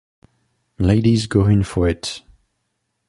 Ladies go in for it.